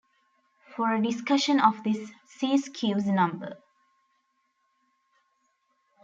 For a discussion of this, see Skewes' number.